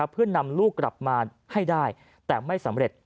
เพื่อนำลูกกลับมาให้ได้แต่ไม่สำเร็จ